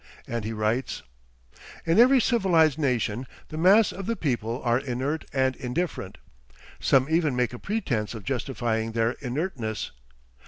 And he writes: "In every civilised nation the mass of the people are inert and indifferent. Some even make a pretence of justifying their inertness.